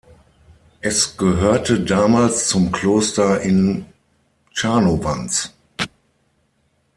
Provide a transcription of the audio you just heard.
Es gehörte damals zum Kloster in Czarnowanz.